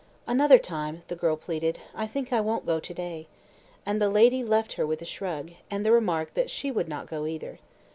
"Another time," the girl pleaded. "I think I won't go to day," and the lady left her with a shrug, and the remark that she would not go either.